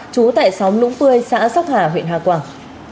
chú tại xóm nũng phươi xã sóc hà huyện hà quảng